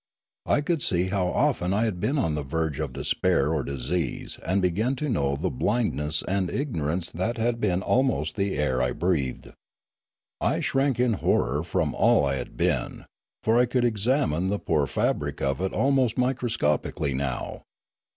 I could see how often I had been on the verge of despair or disease and began to know the blindness and ignorance that had been almost the air I breathed. I shrank in horror from all I had been; for I could examine the poor fabric of it almost microscopically now.